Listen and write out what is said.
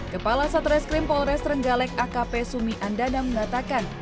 kepala satreskrim polres trenggalek akp sumi andana mengatakan